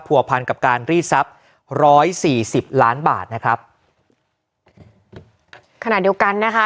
ผัวพันกับการรีดทรัพย์ร้อยสี่สิบล้านบาทนะครับขณะเดียวกันนะคะ